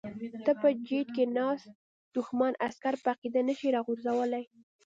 ته په جیټ کې ناست دښمن عسکر په عقیده نشې راغورځولی.